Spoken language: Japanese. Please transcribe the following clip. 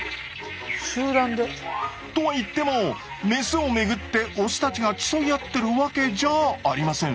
集団で？とはいってもメスを巡ってオスたちが競い合ってるわけじゃありません。